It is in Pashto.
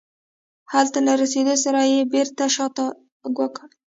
هلته له رسېدو سره یې بېرته شاتګ وکړ.